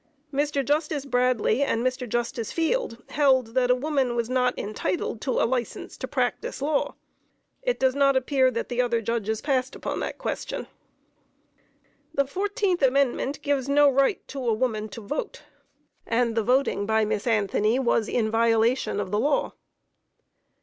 Mr. Justice Bradley and Mr. Justice Field held that a woman was not entitled to a license to practice law. It does not appear that the other Judges passed upon that question. The 14th Amendment gives no right to a woman to vote, and the voting by Miss Anthony was in violation of the law.